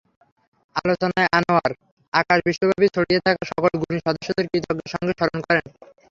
আলোচনায় আনোয়ার আকাশ বিশ্বব্যাপী ছড়িয়ে থাকা সকল গুণী সদস্যদের কৃতজ্ঞতার সঙ্গে স্মরণ করেন।